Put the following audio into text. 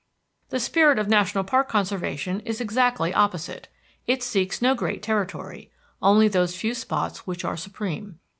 The spirit of national park conservation is exactly opposite. It seeks no great territory only those few spots which are supreme.